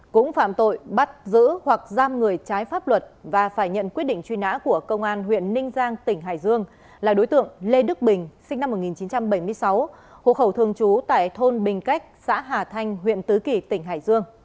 cũng phạm tội bắt giữ hoặc giam người trái pháp luật và phải nhận quyết định truy nã của công an huyện ninh giang tỉnh hải dương là đối tượng lê đức bình sinh năm một nghìn chín trăm bảy mươi sáu hộ khẩu thường trú tại thôn bình cách xã hà thanh huyện tứ kỳ tỉnh hải dương